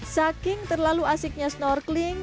saking terlalu asiknya snorkeling